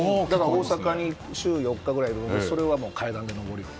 大阪に週６日ぐらいいるのでそれは階段で上るように。